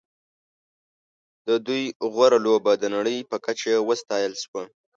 د دوی غوره لوبه د نړۍ په کچه وستایل شوه.